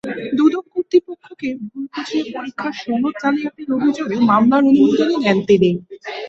দুদক কর্তৃপক্ষকে ভুল বুঝিয়ে পরীক্ষার সনদ জালিয়াতির অভিযোগে মামলার অনুমোদনও নেন তিনি।